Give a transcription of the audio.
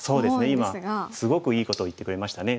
今すごくいいことを言ってくれましたね。